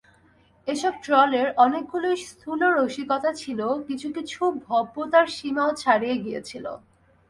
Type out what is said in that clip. এসব ট্রলের অনেকগুলোই স্থূল রসিকতা ছিল, কিছু কিছু ভব্যতার সীমাও ছাড়িয়ে গিয়েছিল।